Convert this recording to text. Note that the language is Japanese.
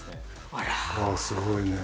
ああすごいね。